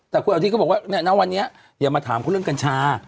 แต่คุณอาทิตยก็บอกว่าณวันนี้อย่ามาถามเขาเรื่องกัญชา